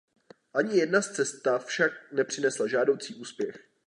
Ani jedna z cesta však nepřinesla žádoucí úspěch.